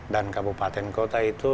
dan kabupaten kota itu